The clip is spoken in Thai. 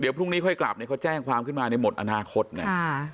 พรุ่งนี้ค่อยกลับเนี่ยเขาแจ้งความขึ้นมาเนี่ยหมดอนาคตไง